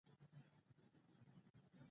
• سپین غاښونه د ښکلا نښه ده.